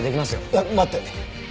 いや待って。